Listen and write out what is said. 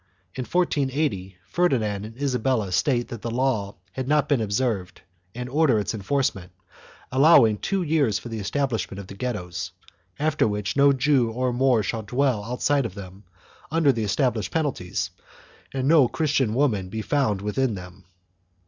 In 1480 Ferdinand and Isabella state that the law had not been observed and order its enforcement, allowing two years for the establishment of the ghettos, after which no Jew or Moor shall dwell outside of them, under the established penalties, and no Christian woman be found within them.